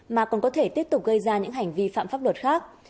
mà còn có thể tiếp tục gây ra những hành vi phạm pháp luật khác